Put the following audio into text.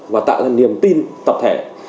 và tạo ra niềm tin tập thể